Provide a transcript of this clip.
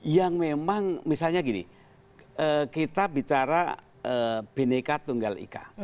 yang memang misalnya gini kita bicara bnk tunggal ik